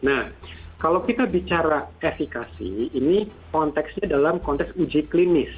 nah kalau kita bicara efekasi ini konteksnya dalam konteks uji klinis